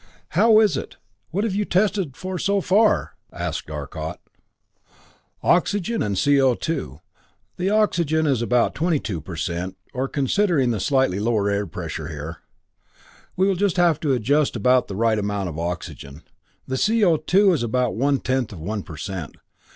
"How is it what have you tested for so far?" asked Arcot. "Oxygen and CO_. The oxygen is about twenty two per cent, or considering the slightly lower air pressure here, we will have just about the right amount of oxygen. The CO_ is about one tenth of one per cent.